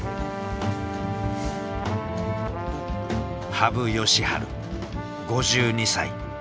羽生善治５２歳。